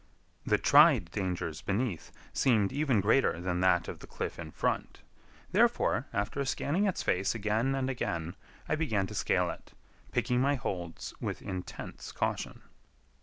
The tried dangers beneath seemed even greater than that of the cliff in front; therefore, after scanning its face again and again, I began to scale it, picking my holds with intense caution.